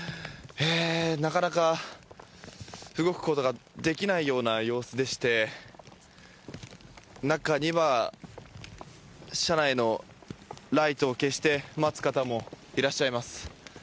なかなか動くことができないような様子でして中には車内のライトを消して待つ方もいらっしゃいます。